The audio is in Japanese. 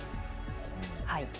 はい。